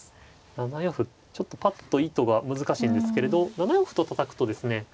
７四歩ちょっとパッと意図が難しいんですけれど７四歩とたたくとですね